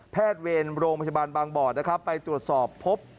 แพทย์เวรโรงพยาบาลบางบ่อไปตรวจสอบพบ